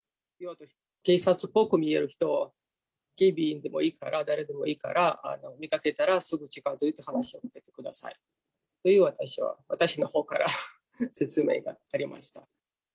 警察っぽく見える人、警備員でもいいから、誰でもいいから、見かけたらすぐ近づいて話しかけてくださいという、私のほうから説明がありました。